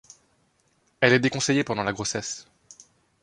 Elle est déconseillée pendant la grossesse.